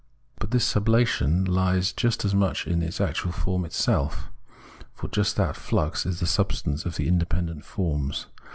But this sublation lies just as much in the actual form itself. For just that flux is the substance of the independent forms.